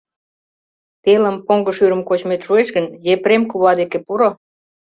Телым поҥго шӱрым кочмет шуэш гын, Епрем кува деке пуро.